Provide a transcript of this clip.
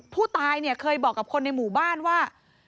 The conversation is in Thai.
ผู้ตายเนี่ยเคยบอกกับคนในหมู่บ้านว่า